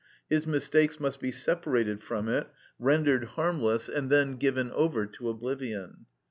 His mistakes must be separated from it, rendered harmless, and then given over to oblivion.